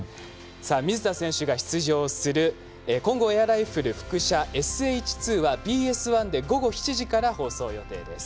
水田選手が出場する混合エアライフル伏射ＳＨ２はＢＳ１で午後７時から放送予定です。